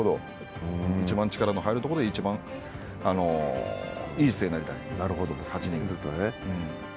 いちばん力も入るところでいちばんいい姿勢になりたい。